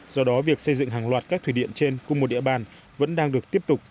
do đó việc xây dựng hàng loạt các thủy điện trên cùng một địa bàn vẫn đang được tiếp tục